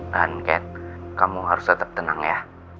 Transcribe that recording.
dan ken kamu harus tetap tenang ya